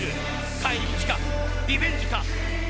対立かリベンジか。